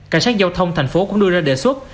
cảnh sát giao thông thành phố cũng đưa ra đề xuất